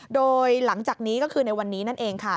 โดยหลังจากนี้ก็คือในวันนี้นั่นเองค่ะ